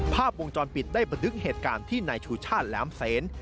ภาพวงจรปิดได้บันทึกเหตุการณ์ที่นายชูชาติแหลมเซน